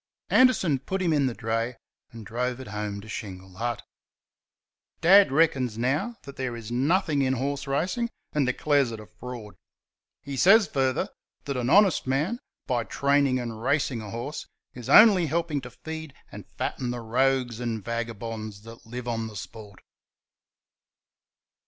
Anderson put him in the dray and drove it home to Shingle Hut. Dad reckons now that there is nothing in horse racing, and declares it a fraud. He says, further, that an honest man, by training and racing a horse, is only helping to feed and fatten the rogues and vagabonds that live on the sport.